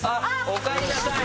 おかえりなさい！